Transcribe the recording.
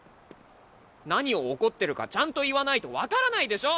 何を怒ってるかちゃんと言わないと分からないでしょ！